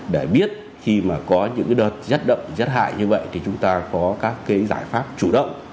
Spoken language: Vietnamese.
để biết khi mà có những đợt rét đậm rét hại như vậy thì chúng ta có các cái giải pháp chủ động